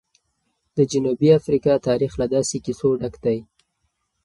د جنوبي افریقا تاریخ له داسې کیسو ډک دی.